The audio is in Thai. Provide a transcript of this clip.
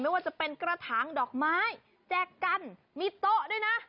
ไม่ว่าจะเป็นกระถางดอกไม้แจกกันมีโต๊ะด้วยนะ